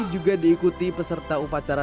juga diikuti peserta upacara